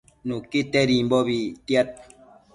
Nuquitedimbobi ictiad